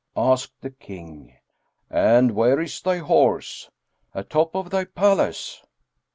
Asked the King, "And where is thy horse?" "Atop of thy palace."